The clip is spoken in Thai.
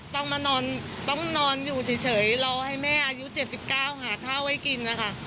ต้องมานอนต้องนอนอยู่เฉยเฉยรอให้แม่อายุเจ็ดสิบเก้าหาข้าวไว้กินอ่ะค่ะ